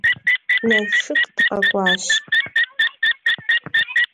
Nalşşık dıkhek'uaş.